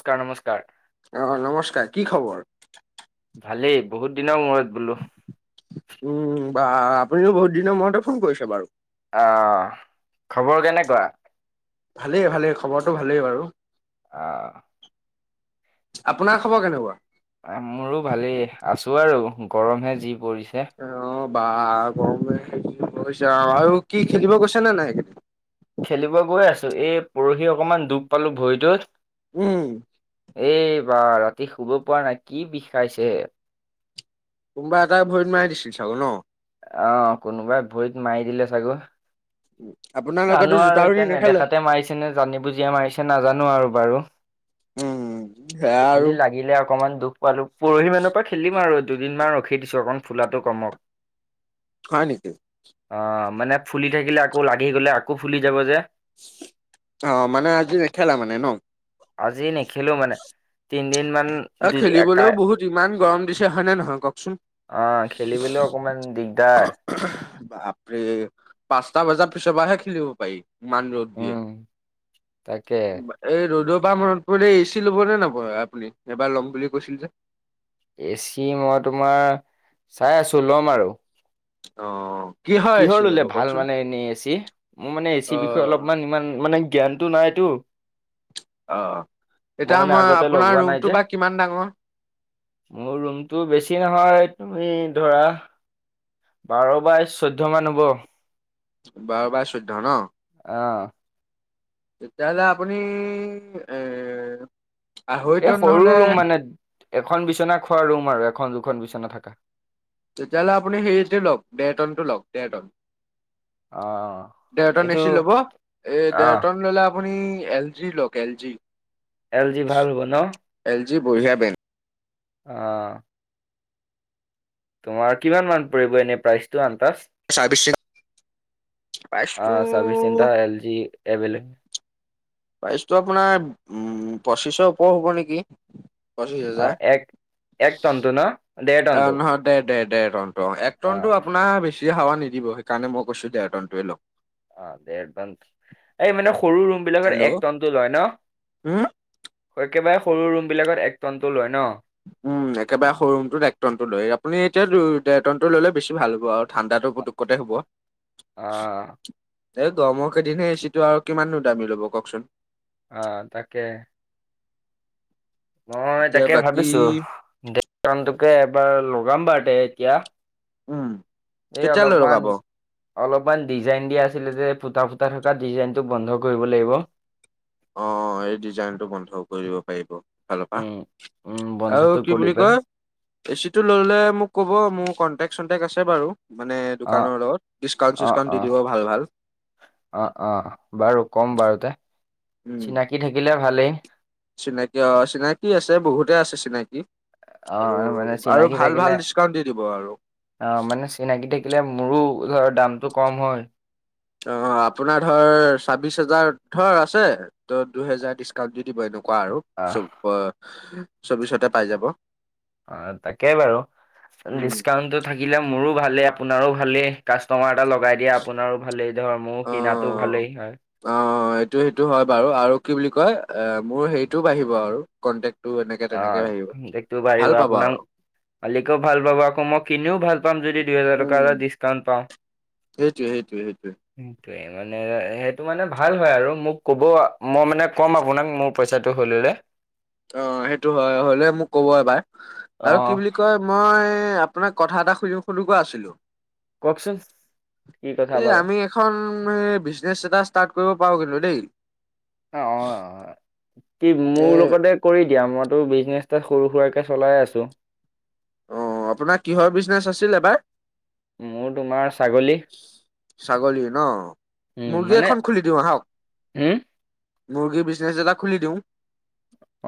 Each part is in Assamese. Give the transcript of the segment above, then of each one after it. স্কাৰ নমস্কাৰ। অ', অ' নমস্কাৰ। কি খবৰ? ভালে, বহুত দিনৰ মূৰত বোলো? উম, উম, বা', আপুনিও বহুত দিনৰ মূৰতে ফোন কৰিছে বাৰু। অহ, খবৰ কেনেকুৱা? ভালে, ভালে খবৰটো ভালে বাৰু। অহ। আপোনাৰ খবৰ কেনেকুৱা? এ মোৰো ভালেই আছোঁ আৰু, গৰমহে যি পৰিছে। অহ' বা' গৰমে কি কৰিছে আৰু, আৰু কি, খেলিব গৈছে নে নাই? খেলিব গৈ আছো, এই পৰহি অকনমান দুখ পালো ভৰিটোত। উম। এই বা ৰাতি শুব পৰা নাই কি বিষাইছে। কোনোবা এটাই ভৰিত মাই দিছিল চাগে ন? অ', কোনোবাই ভৰিত মাৰি দিলে চাগে। উম জানো আৰু এতিয়া নেদেখাতে মাৰিছে নে জানি বুজিয়ে মাৰিছে নাজানো আৰু বাৰু। উম সেয়া আৰু খালি লাগিলে অকনমান দুখ পালো। পৰহি মানৰ পৰা খেলিম আৰু দুদিনমান ৰখি দিছো অকণ ফুলাটো কমক। হয় নেকি? অ' মানে ফুলি থাকিলে আকৌ লাগি গ'লে আকৌ ফুলি যাব যে। অ' মানে আজি নেখেলা মানে ন? আজি নেখেলো মানে তি আৰু খেলিবলৈও বহুত ইমান গৰম দিছে হয়নে নহয় কওকচোন? অ' খেলিবলৈ অকমান দিগদাৰ। বাপৰে পাঁচটা বজাৰ পিছৰ পৰাহে খেলিব পাৰি? ইমান ৰ'দ দিয়ে। উম, তাকে। এই ৰ'দৰ পৰা মনত পৰিলে, এ চি ল'ব নে নাপ আপুনি এবাৰ ল'ম বুলি কৈছিল যে? এ চি মই তোমাৰ চাই আছো ল'ম আৰু। অ'। এ কিহৰ চি ল'ব ল'লে ভাল কওকচোন মানে এনেই এচি? মোৰ মানে অ এচিৰ বিষয়ে অলপমান ইমান মানে জ্ঞান টো নাইতো? অ' এতিয়া মানে মই আগতে আপোনাৰ লগোৱা নাই যে। ৰুমটো বা কিমান ডাঙৰ? মোৰ ৰুমটো বেছি নহয়, তুমি ধৰা বাৰ বাই চৈধ্য মান হ'ব। বাৰ বাই চৈধ্য ন? অ'। তেতিয়াহ'লে আপুনি এ আঢ়ৈ এই টন সৰু নহ'লে ৰুম মানে এখন বিচনা খোৱা ৰুম আৰু এখন দুখন বিচনা থকা তেতিয়াহ'লে আপুনি হেৰিটো লওক ডেৰ টন টো লওক ডেৰ টন অ দেৰটন এইটো এচি ল'ব এ আহ দেৰটন লোলে আ আপুনি এল জি লক এল জি এল জি ভাল হ'ব ন এল জি বঢ়িয়া বেন অ তোমাৰ কিমান মান পৰিব এনে প্ৰাইচটো আনটাজ চাবিশ অ চাৰভিছ চেন্টাৰ এল জি এভলেব প্ৰাইচটো আপোনাৰ উম পঁচিশৰ ওপৰ হ'ব নেকি পঁচিছ অ হাজাৰ এক এক তন ন। দেৰ অ টনটো নহয় দেৰ দেৰ টনটো অ এক টন টো আপোনাৰ বেছ বেছি হাৱা নিদিব সেইকাৰণেই মই কৈছো ডেৰ টনটোৱে লগক অ দেৰ টন এই মানে সৰু ৰুম বিলাকৰ হেল্ল' এক টনটো লয় ন উম একেবাৰে সৰু ৰুম বিলাকত এক টনটো লয় ন উম একেবাৰে সৰুম টো এক ট্ৰনটো লয় আপুনি এতিয়াটো দেৰটনটো ললে বেছি ভাল হ'ব আও ঠাণ্ডাত পোতোক কটে হ'ব অহ এই গৰমৰ কেইদিনহে এচিটো আৰু কিমাননো দামি লব কওক চোন অ তাকে মই এতিয়া তাকে বাকী ভাবিছো দেৰটন টোকে এবাৰ লগাম বাৰুতে এতিয়া উম এই কেতিয়ালৈ অলপমান লগাব অলপমান ডিজাইন দিয়া আছিলে যে ফুটা ফুটা থকা ডিজাইনটো বন্ধ কৰিব লাগিব অ এই ডিজাইনটো বন্ধ কৰিব পাৰিব ফালৰ পা উম উম বন্ধটো আৰু কি কৰি বুলি পেলাই কয় এচিটো ল'লে মোক ক'ব মোৰ কণ্টেক্ট চনটেক্ট আছে বাৰু মানে অ দোকানৰ লগত ডিচকাউণ্ট অ চিছকাউণ্ট অ দি দিব ভাল ভাল অ অ বাৰু কম বাৰু তে উম চিনাকি থাকিলে ভালেই চিনাকি অ চিনাকি আছে বহুতে আছে চিনাকি অ আৰু মানে আৰু চিনাকি ভাল থাকিলে ভাল ডিছকাউণ্ট দি দিব আৰু অ মানে চিনাকি থাকিলে মোৰো ধৰ দামটো কম হয় অ আপোনাৰ ধৰ ছাব্বিশ হাজাৰ দৰ আছে। ত দুহেজাৰ ডিচকাউণ্ট দি দিব এনেকুৱা আৰু আহ চ চৌবিশতে পাই যাব অ তাকেই বাৰু উম ডিছকাউণ্টটো থাকিলে মোৰো ভালে আপোনাৰো ভালে কাষ্টমাৰ এটা লগাই দিয়া আপোনাৰো ভালেই ধৰ মোৰ অ কিনাতোও ভালেই হয় অ এইটো সেইটো হয় বাৰু আৰু কি বুলি কয় মোৰ হেৰিটোও বাঢ়িব কন্টেক্ট অ বাঢ়িব পাব আপোনাক আৰু মালিকেও ভাল পাব আকৌ মই কিনিও ভাল পাম যদি দুইহেজাৰ টকা উম এটা ডিছকাউণ্ট পাওঁ সেইটোৱে সেইটোৱে সেইটোৱে উম‌ সেইটোৱে মানে সেইটো মানে ভাল হয় আৰু মোক ক'ব মই মানে ক'ম আপোনাক মোৰ পইচাটো হৈ ল'লে অ সেইটো হয় হলে মোক কব এবাৰ আৰু অ', কি বুলি কয় মই আপোনাক কথা এটা শুধু-শুধু কৈ আছিলোঁ। কওকচোন, কি কথা এ বাৰু? আমি এখন বিজনেছ এটা কৰিব পাৰো দেই। অ', - অ', - অ', কি এ মোৰ লগতে কৰি দিয়া মইতো বিজনেছ সৰু সুৰাকে চলাই আছোঁ। অ', আপোনাৰ কিহৰ বিজনেচ আছিল এবাৰ? মোৰ তোমাৰ ছাগলী। ছাগলী ন, উম, মুৰ্গী মানে এখন খুলি দিওঁ আহক? উম, মুৰ্গী বিজনেচ এটা খুলি দিওঁ।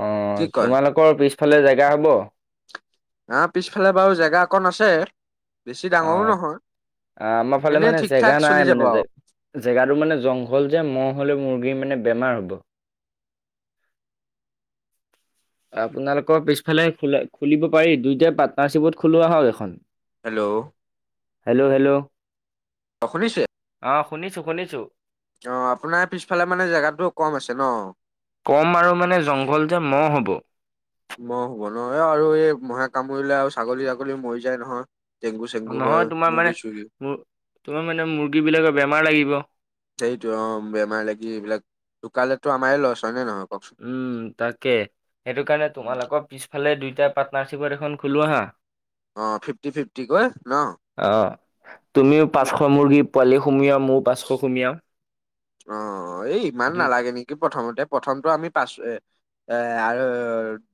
অঁ', কি তোমালোকৰ পিছফালে জেগা হ'ব? আমাৰ পিছফালে বাৰু জেগা অকন আছে, বেছি ডাঙৰো নহয়। আহ', আমাৰ ফালে এনেই মানে ঠিক ঠাক জেগা চলি নাই যাব মানে যে। আৰু জেগাটো মানে জংঘল যে মহ হলে মুৰ্গীৰ মানে বেমাৰ হ'ব। আপোনালোকৰ পিছফালে খ-খুলিব পাৰি দুইটা পাৰ্টনাৰশ্বিপত খোলো আহক। হেল্ল'। Hello hello. অ', শুনিছে? অঁ', শুনিছোঁ-শুনিছোঁ। অ', আপোনাৰ পিছফালে মানে জেগাটো কম আছে ন? কম আৰু মানে জংঘল যে মহ হ'ব। মহ হ'ব নয় আৰু এই মহে কামুৰিলে আৰু ছাগলী- আগলী মৰি যায় নহয়। ডেংগু চেংগু নহয় হয় তোমাৰ মানে, মুৰ্গী চুৰ্গী তোমাৰ মানে মুৰ্গী বিলাকৰ বেমাৰ লাগিব। সেইৰিটো অ', বেমাৰ লাগি এইবিলাক, ঢুকালেতো আমাৰেই লছ হয়নে নহক? উম তাকে, সেইটো কাৰণে তোমালোকৰ পিছফালে দুইটা পাৰ্টনাৰ্চিপত এখন খোলো আহা। অ', ফিফটা-ফিফটি কৈ ন? অ', তুমিও পাঁচশ মুৰ্গী পোৱালি সুমিওয়া মোৰ অ', এই ইমান দুই নালাগে নেকি? প্ৰথমতে প্ৰথমটো পাচ আৰু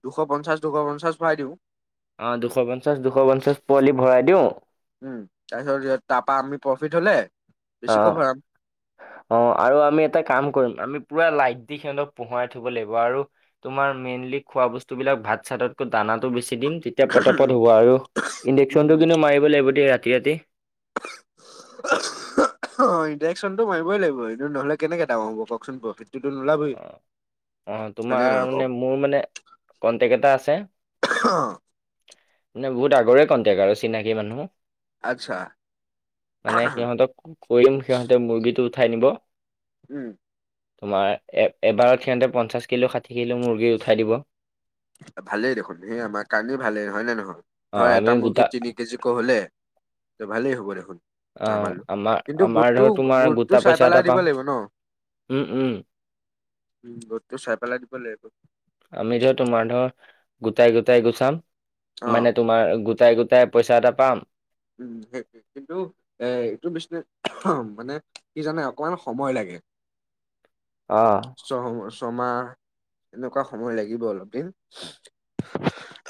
দুশ পঞ্চাছ, দুশ পঞ্চাছ ভৰাই দিওঁ? অঁ', দুশ পঞ্চাছ, দুশ পঞ্চাছ পোৱালি ভৰাই দিওঁ। উম, তাৰ পিছত তাৰপা আমি প্ৰফিট হ'লে। বেছিকৈ অ'। ভৰাম। অ', আৰু আমি এটা কাম কৰিম, আমি পুৰা লাইট দি সিহঁতক পোহোৱাই থব লাগিব। আৰু তোমাৰ মেইনলি খোৱা বস্তুবিলাক ভাত-চাততকৈ দানাতটো বেছি দিম তেতিয়া পটপট হ'ব আৰু, উম, ইনজেকশ্যন টো কিন্তু মাৰিব লাগিব দেই ৰাতি-ৰাতি। [unintelligible] অ', ইনজেকশ্যনতটো মাৰিবই লাগিব এনেটো নহ'লে কেনেকে ডাঙৰ হ'ব কওঁকচোন প্ৰফিটটোতো নোলাবৈ। অ অ', তোমাৰ মানে মোৰ মানে কণ্ট্ৰক্ট এটা আছে। মানে বহুত আগৰে কণ্টেক্ট আৰু চিনাকী মানুহ। আচ্ছা মানে সিহঁতক কৈ দিম, সিহঁতে মুৰ্গীটো উঠাই নিব। উম। তোমাৰ এ এবাৰত সিহঁতে পঞ্চাশ কিলো ষাঠি কিলো মুৰ্গী উঠাই দিব। ভালেই দেখোন, সেই আমাৰ কাৰণেই ভালেই হয় নে নহয়? ধৰ আমি এটা মুৰ্গী গোটা তিনি কেজি কৈ হ'লে, ভালেই হ'ব দেখোন। অ আমালৈ। আমাৰ কিন্তু আমাৰ গোটটো ধৰ তোমাৰ গোটটো গোটা চাই পইচা পেলাই এটা দিব পাম লাগিব ন? উম উম গোটতো চাই পেলাই দিব লাগিব। আমি ধৰ তোমাৰ ধৰ গোটাই গোটাই গুচাম অ মানে তোমাৰ গোটাই গোটাই পইচা এটা পাম। [unintelligible] এ এইটো বিজনেচ মানে কি জানা অকমান সময় লাগে। অ ছ ছয়মাহ এনেকুৱা সময় লাগিব অলপ দিন।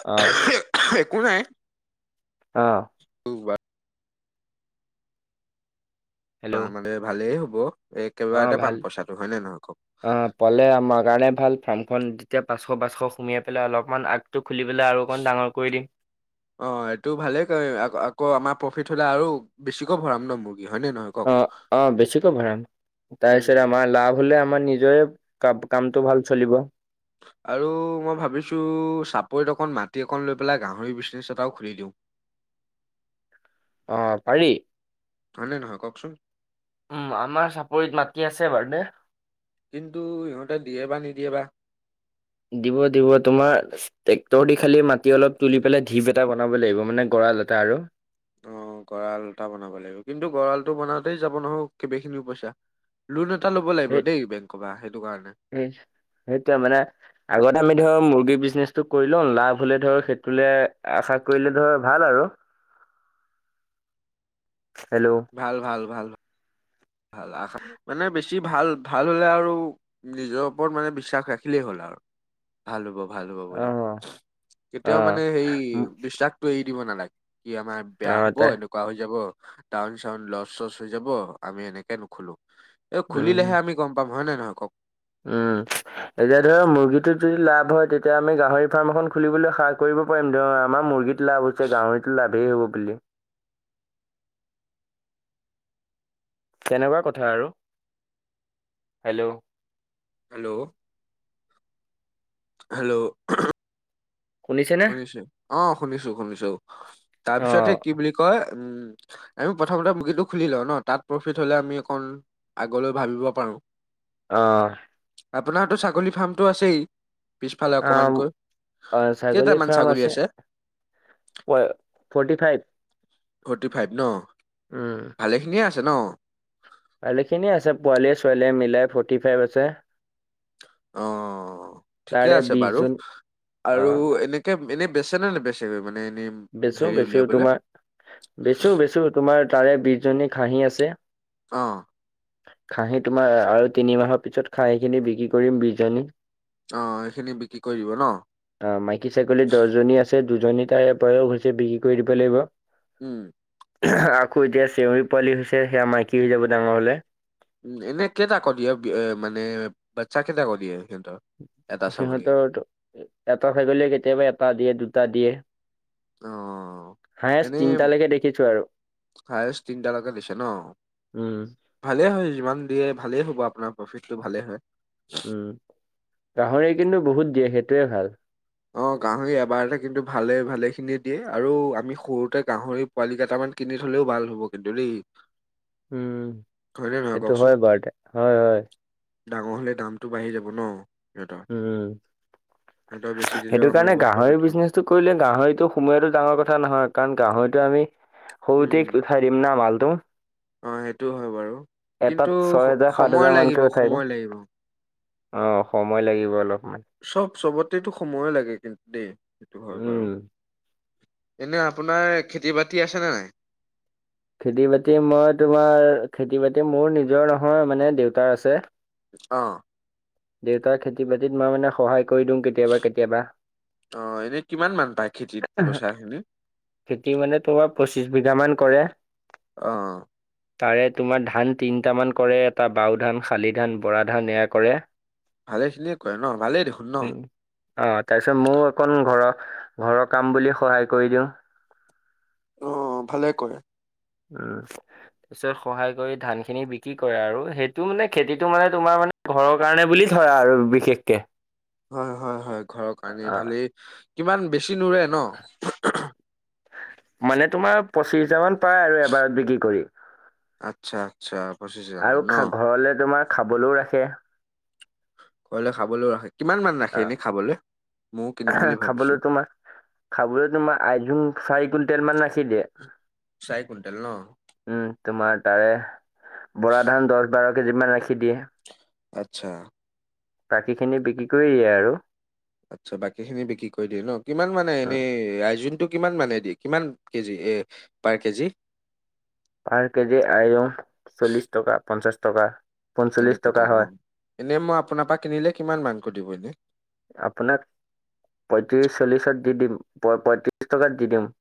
অ একো নাই। অ [unintelligible] আ হেল্ল' মানে ভালেই হ'ব, এই অ একেবাৰতে পাম ভাল পইচাটো হয় নে নহয় কওঁক অ পালে আমাৰ কাৰণে ভাল ফাৰ্মখন যেতিয়া পাঁচশ পাঁচশ সোমিয়াই পেলাই অলপমান আগ টো খুলি পেলাই আৰু অকণ ডাঙৰ কৰি দিম। অ' এইটো ভালে ক আকৌ আমাৰ প্ৰফিট হ'লে আৰু বেছিকৈ ভৰাম ন মুৰ্গী হয়নে নহয় কওক? অ অ' বেছিকৈ ভৰাম তাৰ পিছত উম। আমাৰ লাভ হ'লে আমাৰ নিজৰে কা কামটো ভাল চলিব। আৰু মই ভাবিছোঁ চাপৰিত অকণ মাটি অকণ লৈ পেলাই গাহৰি বিজনেছ এটাও খুলি দিওঁ। অ' পাৰি। হয় নে নহয় কওঁকচোন উম, আমাৰ চাপৰিত মাটি আছে বাৰু দে। কিন্তু সিহঁতে দিয়ে বা নিদিয়ে বা দিব দিব তোমাৰ ট্ৰেক্টৰ দি খালি মাটি অলপ তুলি পেলাই ঢিপ এটা বনাব লাগিব মানে গঁৰাল এটা আৰু। অ' গঁড়াল এটা বনাব লাগিব, কিন্তু গঁড়ালটো বনাওঁতেই যাব নহয় কেবাখিনিও পইচা লোন এটা ল'ব লাগিব দেই বেংকৰ পৰা সেইটো কাৰণে। এই সেইটোৱে মানে আগতে আমি ধৰ মুৰ্গী বিজনেচটো কৰি লওঁ লাভ হলে ধৰ সেইটোলে আশা কৰিলে ধৰ ভাল আৰু হেল্ল' ভাল, ভাল, ভাল। ভাল মানে বেছি ভাল ভাল হ'লে আৰু নিজৰ ওপৰত মানে বিশ্বাস ৰাখিলেই হ'ল আৰু। ভাল হ'ব ভাল হ'ব বুলি অ', কেতিয়াও মানে অ', সেই উম, বিশ্বাস টো এৰি দিব নালাগে কি আমাৰ বেয়া অ', হ'ব তাই এনে এনেকোৱা হৈ যাব ডাউন-চাউন লচ-চচ হৈ যাব আমি এনেকে নুখোলো। এই উম। খুলিলেহে আমি গম পাম হয় নে নহয় কওক। উম। এতিয়া ধৰ মুৰ্গীটোত যদি লাভ হয়, তেতিয়া আমি গাহৰি ফাৰ্ম এখন খুলিবলৈ সাহ কৰিব পাৰিম, ধৰ আমাৰ মুৰ্গীত লাভ হৈছে, গাহৰিটোও লাভেই হ'ব বুলি। তেনেকুৱা কথা আৰু হেল্ল' হেল্ল হেল্ল শুনিছেনে? শুনিছো অ শুনিছো শুনিছো অ'। তাৰপিছত সেই কি বুলি কয় উম। আমি প্ৰথমতে মুৰ্গীটো খুলি লওঁ ন তাত প্ৰফিট হলে আমি অকণ আগলৈ ভাবিব পাৰোঁ। অ'। আপোনাৰতো ছাগলী ফাৰ্মটো আছেই, পিছফালে অকমানকৈ। অ', ছাগলীৰ কেইটামান ফাৰ্ম ছাগলী আছে, হয় ফৰ্টি ফাইভ। ফৰ্টি ফাইভ ন'? উম। ভালেখিনিয়ে আছে ন। ভালেখিনিয়ে আছে, পোৱালিয় ছোৱালীয়ে মিলাই ফৰ্টি ফাইভ আছে। অ', ঠিকে তাৰে আছে বিশ বাৰু, জুন আৰু অ', এনে এনেকে বেচে নে নেবেচগে মানে এনে। বেচো, বেচো তোমাৰ, বেচো, বেচো তোমাৰ তাৰে বিশজনী খাহি আছে। অ'। খাহী তোমাৰ আৰু তিনিমাহৰ পিছত খাহী খিনি বিক্ৰী কৰিম বিশজনী। অ', এইখিনি বিক্ৰী কৰিব দিব ন। অ', মাইকী ছাগলী দহজনী আছে, দুজনী তাৰে বয়স হৈছে বিক্ৰী কৰি দিব লাগিব। উম। আকৌ এতিয়া চেউৰী পোৱালি হৈছে, সেয়া মাইকী হৈ যাব ডাঙৰ হ'লে। উম, এনে কেইটা কৈ দিয়ে, মানে বাচ্ছাক কেইটা কৈ দিয়ে সিহঁতৰ। এটা ছাগলী সিহঁতৰ, এটা ছাগলীয়ে কেতিয়াবা এটা দিয়ে, দুটা দিয়ে। অ'। হায়েষ্ট এনেই তিনটালৈকে দেখিছো আৰু হায়েষ্ট তিনিটা লৈকে দিছে ন। উম ভালে হয়, যিমান দিয়ে, ভালেই আপোনাৰ প্ৰফিটটো ভালে হয়। উম, গাহৰি কিন্তু বহুত দিয়ে সেইটোৱে ভাল। অ', গাহৰি এবাৰতে কিন্তু ভালে, ভালে খিনিয়ে দিয়ে, আৰু আমি সৰুতে গাহৰি পোৱালি কেইটামান কিনি থলেও ভাল হ'ব কিন্তু দেই। [inaudible] হয়নে নহয় সেইটো কওকচোন। হয় বাৰুতে হয় হয় ডাঙৰ হ'লে দামটো বাঢ়ি যাব ন' সিহঁতৰ। উম। ত' বেছি দিলও আমি বহুত প্ৰফিট পাম। গাহৰিতটো সোমোৱাটো ডাঙৰ কথা কাৰণ গাহৰিতটো আমি সৰুতে উম [unintelligible] মাল টো। অ', সেইটো হয় বাৰু এটাত কিন্তু ছয় হেজাৰ সাত সময় হেজাৰ লাগিব মানকে উঠাই দিম সময় লাগিব অ', সময় লাগিব অলপমান। চব চবতেতটো সময়ো লাগে কিন্তু দেই সেইটো হয় বাৰু উম এনে আপোনাৰ খেতি বাতি আছেনে নাই? খেতি বাতি মই তোমাৰ খেতি বাতি মোৰ নিজৰ নহয় মানে দেউতাৰ আছে। অ'। দেউতাক খেতি বাতিত মই মানে সহায় কৰি দিওঁ কে অ', এনে কিমান মান পায় খেতিত পইচা খিনি খেতি মানে তোমাৰ পঁচিশ বিঘা মান কৰে অ'। তাৰে তোমাৰ ধান তিনটামান কৰে এটা বাও ধান শালি ধান বৰা ধান এয়া কৰে ভালে খিনিয়ে কয় ন ভালেই দেখ উ অ', তাৰপিছত মইও অকন ঘৰৰ ঘৰৰ কাম বুলি সহায় কৰি দিওঁ। [unintelligible] অ', ভালেই কৰে। উম। পিচত সহায় কৰি ধান খিনি বিক্ৰী কৰে আৰু, সেইটো মানে খেতিটো মানে তোমাৰ মানে ঘৰৰ কাৰণে বুলি ধৰা আৰু বিশেষকে। হয় হয় হয়, ঘৰৰ কাৰণে অ ভালেই, কিমান বেছি নুৰে ন? মানে তোমাৰ পচিশ হাজাৰ মান পাই আৰু এবাৰত বিক্ৰী কৰি। আচ্ছা আচ্ছা, পঁচিশ হাজাৰ মান ন। হ'লে তোমাৰ খাবলৈও ৰাখে। ঘৰলে খাবলৈও ৰাখে, কিমান মান ৰাখে অ এনেই খাবলৈ, ময়ো কিনিম বুলি খাবলৈ ভাবিছোঁ। তোমাৰ খাবলৈ তোমাৰ আইজুং চাৰি কুইণ্টেল মান ৰাখি দিয়ে। চাৰি কুইণ্টেল ন? উম, তোমাৰ তাৰে বৰা ধান দহ বাৰ কেজি মান ৰাখি দিয়ে। অচ্ছা। বাকীখিনি বিক্ৰী কৰি দিয়ে আৰু। আচ্ছা, বাকী খিনি বিক্ৰী কৰি দিয়ে ন? কিমান মানে এনে উম, আইজোং? এইটো কিমান মানে দি, কিমান কেজি, এ পাৰ কেজি? পাৰ কেজি আইজোং চল্লিশ টকা, পঞ্চাশ টকা। পঞ্চল্লিছ এনেকে টকা দিয়ে হয় উম, এনেই মই আপোনাৰ পৰা কিনিলে কিমান মান কৰি দিব এনে? আপোনাক পঁয়ত্ৰিছ চল্লিছত দি দিম, প-পঁয়ত্ৰিছ টকাত দি দিম।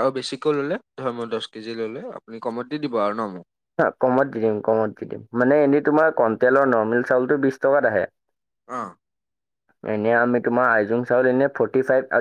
আৰু বেছিকৈ ল'লে, ধৰ মই দহ কেজি ল'লে, আপুনি কমত দি দিব আৰু ন মোক? কমত দি দিম, কমত দি দিম, মানে এনেই তোমাৰ কণ্টেলৰ নৰ্মেল চাউলটো বিশ টকাত আহে। অ'। এনে আমি তোমাৰ আইজোং চাউল এনে ফৰ্তি ফাইভ